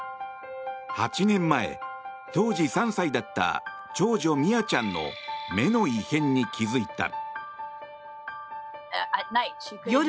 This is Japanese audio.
８年前、当時３歳だった長女ミアちゃんの目の異変に気付いた。